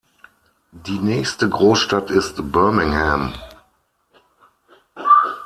Die nächste Großstadt ist Birmingham.